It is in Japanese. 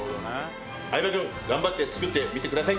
相葉君頑張って作ってみてください。